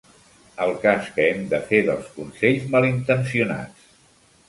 El cas que hem de fer dels consells malintencionats.